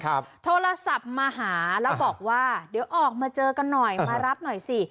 โทรศัพท์มาหาแล้วบอกว่าเดี๋ยวออกมาเจอกันหน่อยมารับหน่อยสิ